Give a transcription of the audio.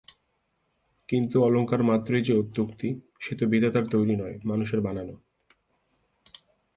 কিন্তু অলংকারমাত্রই যে অত্যুক্তি, সে তো বিধাতার তৈরি নয়, মানুষের বানানো।